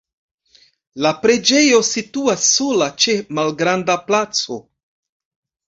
La preĝejo situas sola ĉe malgranda placo.